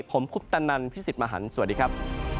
ผมคุปตะนันพี่สิทธิ์มหันฯสวัสดีครับ